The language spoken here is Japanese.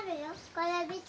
これ見て。